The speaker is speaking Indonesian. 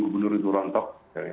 gubernur itu rontok